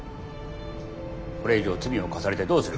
これ以上罪を重ねてどうする。